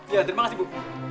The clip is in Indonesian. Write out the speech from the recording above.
iya terima kasih bu